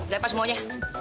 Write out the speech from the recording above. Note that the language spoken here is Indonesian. udah pas semuanya